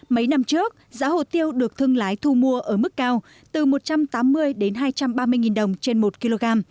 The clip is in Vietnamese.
mấy năm trước giá hồ tiêu được thương lái thu mua ở mức cao từ một trăm tám mươi đến hai trăm ba mươi đồng trên một kg